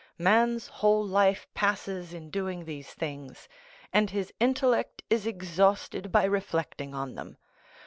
Man's whole life passes in doing these things, and his intellect is exhausted by reflecting on them.